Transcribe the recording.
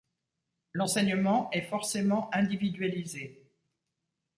L’enseignement est forcément individualisé.